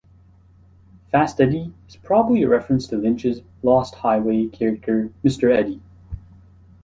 "Fast Eddie" is probably a reference to Lynch's "Lost Highway" character Mr. Eddie.